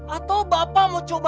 atau bapak mau coba